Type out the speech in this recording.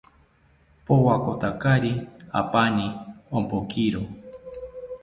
Powakotakiri apani ompokiro